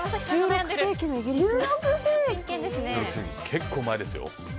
結構前ですよ。